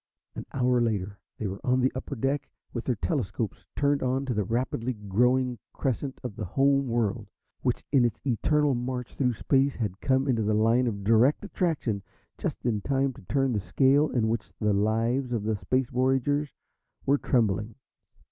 An hour later, they were on the upper deck with their telescopes turned on to the rapidly growing crescent of the Home World, which, in its eternal march through Space, had come into the line of direct attraction just in time to turn the scale in which the lives of the Space voyagers were trembling.